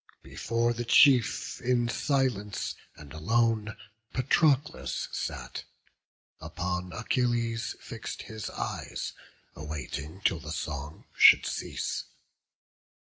Before the chief, in silence and alone Patroclus sat, upon Achilles fix'd His eyes, awaiting till the song should cease.